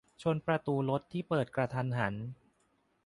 - ชนประตูรถที่เปิดกระทันหัน